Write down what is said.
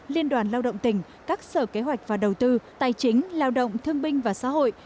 liên đoàn lao động tỉnh các sở kế hoạch và đầu tư tài chính lao động thương binh và xã hội